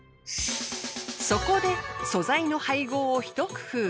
そこで素材の配合をひと工夫。